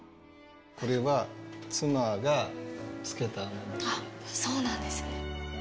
これは、そうなんですね。